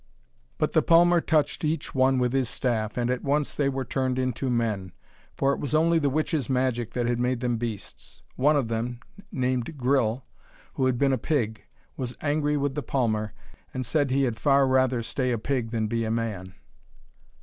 But the palmer touched each one with his staff, and at once they were turned into men. For it was only the witch's magic that had made them beasts. One of them, named Gryll, who had been a pig, was angry with the palmer, and said he had far rather stay a pig than be a man.